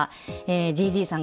ＧＧさん